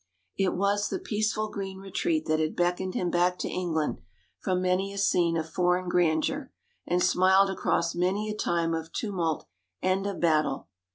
It was the peaceful green retreat that had beckoned him back to England from many a scene of foreign grandeur, and smiled across many a time of tumult and of battle.